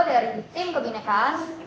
dari tim kebinekaan